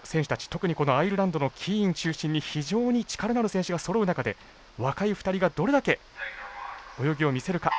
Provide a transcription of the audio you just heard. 特にアイルランドのキーン中心に非常に力のある選手がそろう中で若い２人がどれだけ泳ぎを見せるか。